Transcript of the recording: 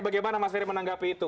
bagaimana mas ferry menanggapi itu